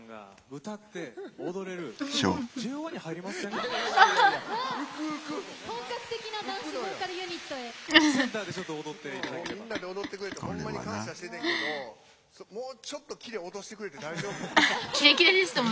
みんなで踊ってくれてホンマに感謝しててんけどもうちょっとキレ落としてくれて大丈夫よ。